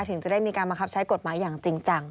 ถึงจะได้มีการบังคับใช้กฎหมายอย่างจริงจัง